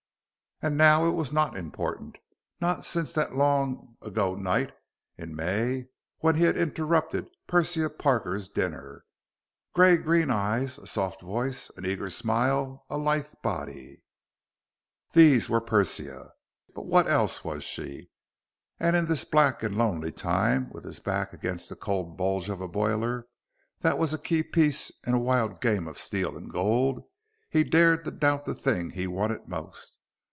And now it was not important. Not since that long ago night in May when he had interrupted Persia Parker's dinner. Gray green eyes, a soft voice, an eager smile, a lithe body these were Persia. But what else was she? And in this black and lonely time with his back against the cold bulge of a boiler that was a key piece in a wild game of steel and gold, he dared to doubt the thing he wanted most.